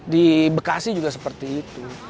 di bekasi juga seperti itu